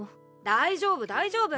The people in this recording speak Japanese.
大丈夫大丈夫。